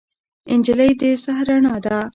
نجلۍ د سحر رڼا ده.